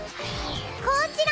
こちら！